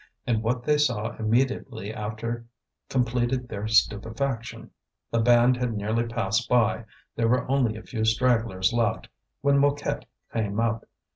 And what they saw immediately after completed their stupefaction. The band had nearly passed by, there were only a few stragglers left, when Mouquette came up.